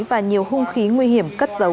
và nhiều hung khí nguy hiểm